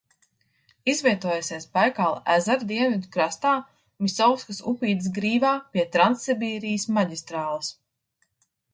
Izvietojusies Baikāla ezera dienvidu krastā Misovkas upītes grīvā pie Transsibīrijas maģistrāles.